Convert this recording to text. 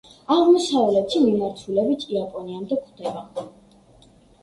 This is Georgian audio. აღმოსავლეთი მიმართულებით იაპონიამდე გვხვდება.